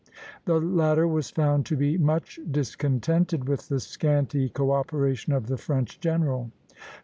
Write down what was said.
The latter was found to be much discontented with the scanty co operation of the French general.